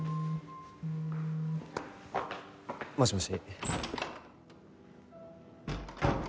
もしもし。